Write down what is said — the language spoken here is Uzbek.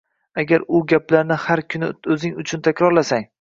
Agar shu gaplarni har kuni o‘zing uchun takrorlasang